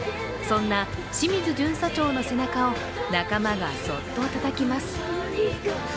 そんな清水巡査長の背中を仲間がそっとたたきます。